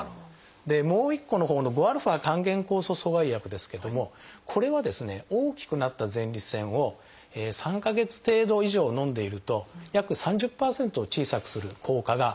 もう一個のほうの５α還元酵素阻害薬ですけどもこれは大きくなった前立腺を３か月程度以上のんでいると約３０％小さくする効果があります。